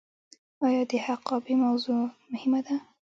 آیا د حقابې موضوع مهمه ده؟